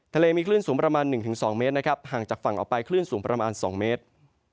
ทะเลมีคลื่นสูงประมาณ๑๒เมตรนะครับห่างจากฝั่งออกไปคลื่นสูงประมาณ๒เมตร